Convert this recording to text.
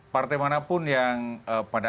partai manapun yang pada